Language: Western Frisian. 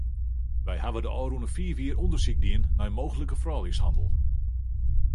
Wy hawwe de ôfrûne fiif jier ûndersyk dien nei mooglike frouljushannel.